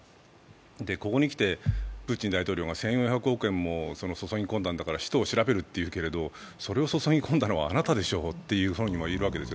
ここに来て、プーチン大統領が１４００億円も注ぎ込んだんだから使徒を調べるというけれども、それを注ぎ込んだのはあなたでしょうとも言えるわけです。